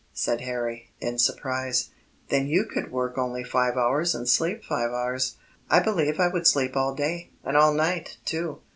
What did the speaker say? said Harry, in surprise. "Then you could work only five hours and sleep five hours. I believe I would sleep all day, and all night, too.